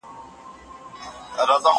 ما پرون د سبا لپاره د ژبي تمرين وکړ،